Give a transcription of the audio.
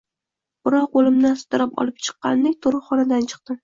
Birov qo`limdan sudrab olib chiqqandek, tug`ruqxonadan chiqdim